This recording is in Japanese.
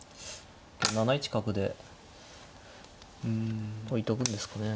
７一角で置いとくんですかね。